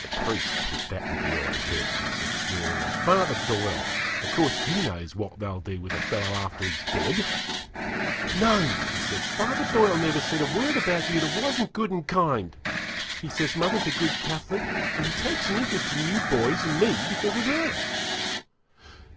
'The priest put that into your head,' I said sneeringly; 'Father Doyle of course he knows what they'll do with a fellow after he's dead.' 'No!' she said, 'Father Doyle never said a word about you that wasn't good and kind. He says mother's a good Catholic, and he takes an interest in you boys and me because of her.'